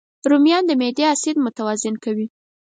رومیان د معدې اسید متوازن کوي